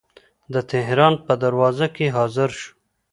د تهران په دروازه کې حاضر شو.